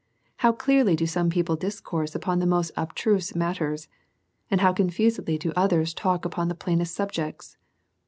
How clearly do some people discourse upon the most abtruse matters, and how confusedly do others talk upon the plainest subjects